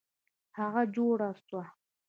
هغه جوړه سوه.